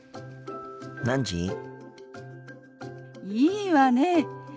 いいわね。